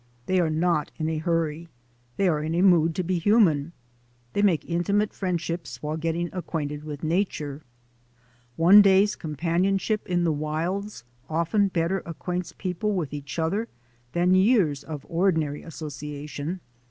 They are not in a hurry, they are in a mood to be human. They make intimate friendships while getting acquainted with nature. One day's com panionship in the wilds often better^acquaints peo ple with each other than years of ordinary associa tion.